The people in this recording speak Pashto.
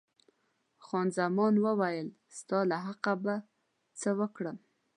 خان زمان وویل، ستا له حقه به زه څه وکړم.